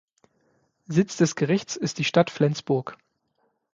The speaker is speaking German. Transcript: Sitz des Gerichts ist die Stadt Flensburg.